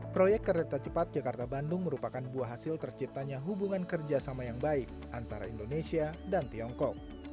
proyek kereta cepat jakarta bandung merupakan buah hasil terciptanya hubungan kerjasama yang baik antara indonesia dan tiongkok